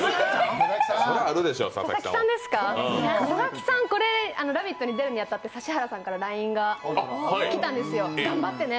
佐々木さんですか、佐々木さん、「ラヴィット！」に出るに当たって指原さんからＬＩＮＥが来たんですよ「頑張ってね」